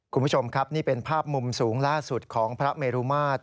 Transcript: คุณผู้ชมครับนี่เป็นภาพมุมสูงล่าสุดของพระเมรุมาตร